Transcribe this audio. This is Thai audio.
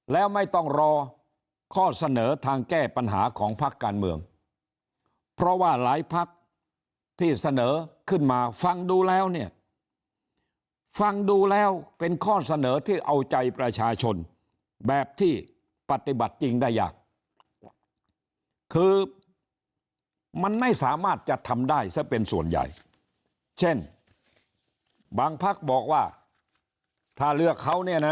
แล้วไม่ต้องรอข้อเสนอทางแก้ปัญหาของพักการเมืองเพราะว่าหลายพักที่เสนอขึ้นมาฟังดูแล้วเนี่ยฟังดูแล้วเป็นข้อเสนอที่เอาใจประชาชนแบบที่ปฏิบัติจริงได้ยากคือมันไม่สามารถจะทำได้ซะเป็นส่วนใหญ่เช่นบางพักบอกว่าถ้าเลือกเขาเนี่ยนะ